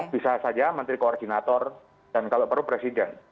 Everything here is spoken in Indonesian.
bisa saja menteri koordinator dan kalau perlu presiden